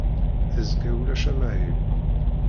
Azekka ulac amahil.